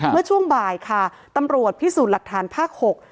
เมื่อช่วงบ่ายค่ะตำรวจพิสูจน์หลักฐานภาค๖